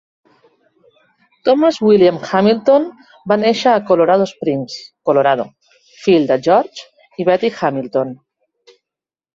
Thomas William Hamilton va néixer a Colorado Springs, Colorado, fill de George i Betty Hamilton.